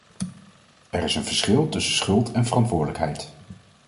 Er is een verschil tussen schuld en verantwoordelijkheid.